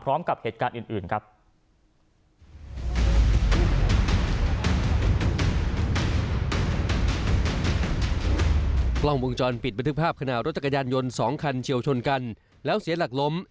รถจักรยานยนต์๒คันเฉียวชนกันแล้วเสียหลักล้ม